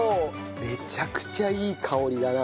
めちゃくちゃいい香りだな。